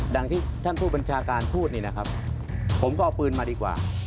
อย่างที่ท่านผู้บัญชาการพูดนี่นะครับผมก็เอาปืนมาดีกว่า